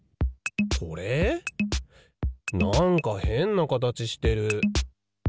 なんかへんなかたちしてる。